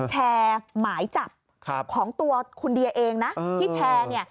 หมายจับของตัวคุณเดียเองนะที่แชร์เนี่ย